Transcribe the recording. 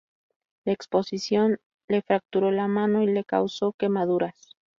La explosión le fracturó la mano y le causó quemaduras.